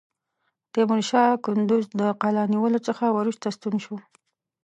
تیمورشاه کندوز د قلا نیولو څخه وروسته ستون شو.